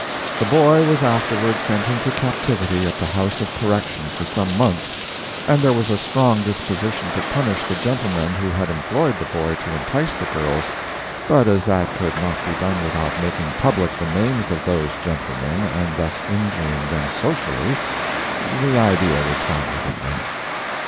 The boy was afterward sent into captivity at the House of Correction for some months, and there was a strong disposition to punish the gentlemen who had employed the boy to entice the girls, but as that could not be done without making public the names of those gentlemen and thus injuring them socially, the idea was finally given up.